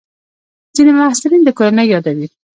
ځینې محصلین د کورنۍ یادوي.